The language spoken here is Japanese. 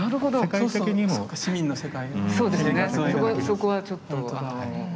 そこはちょっと。